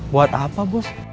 buat apa bos